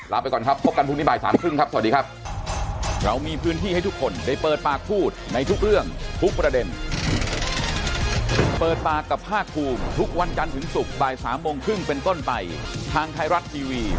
แล้วไปก่อนครับพบกันพรุ่งนี้บ่าย๓๓๐ครับสวัสดีครับ